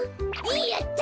やった！